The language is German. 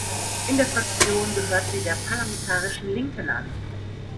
In der Fraktion gehört sie der Parlamentarischen Linken an.